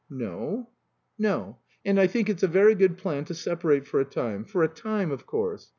"No " "No. And I think it's a very good plan to separate for a time. For a time, of course.